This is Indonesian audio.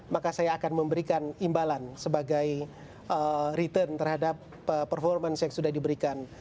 maka saya akan memberikan imbalan sebagai return terhadap performance yang sudah diberikan